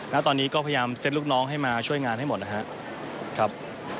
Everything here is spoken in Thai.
ณตอนนี้ก็พยายามเซ็ตลูกน้องให้มาช่วยงานให้หมดนะครับ